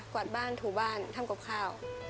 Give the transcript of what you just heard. วาดบ้านถูบ้านทำกับข้าว